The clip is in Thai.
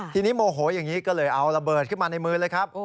ทีนี้โมโหอย่างนี้ก็เลยเอาระเบิดขึ้นมาในมือเลยครับ